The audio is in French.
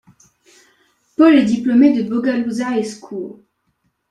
Paul est diplômé de Bogalusa High School.